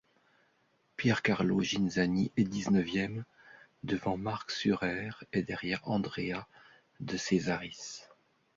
Piercarlo Ghinzani est dix-neuvième, devant Marc Surer et derrière Andrea De Cesaris.